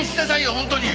本当に！